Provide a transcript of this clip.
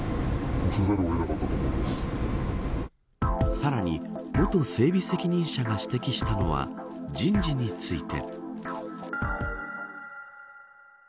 さらに元整備責任者が指摘したのは人事について。